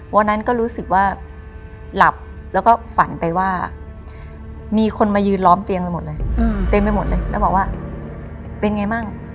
วันนั้นก็รู้สึกว่าหลับแล้วก็ฝันไปว่ามีคนมายืนล้อมเตียงไปหมดเลยเต็มไปหมดเลยแล้วบอกว่าเป็นไงมั่ง